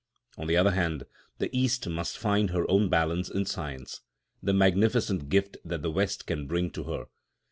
On the other hand, the East must find her own balance in Science—the magnificent gift that the West can bring to her.